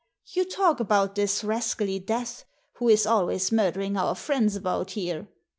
You talk about this rascally Death, who is always murdering our friends about here.